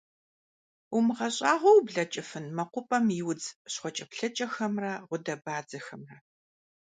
УмыгъэщӀагъуэу ублэкӀыфын мэкъупӀэм и удз щхъуэкӀэплъыкӀэхэмрэ гъудэбадзэхэмрэ!